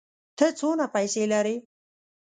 ته څونه پېسې لرې؟